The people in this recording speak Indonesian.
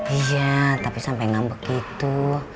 iya tapi sampai ngambek gitu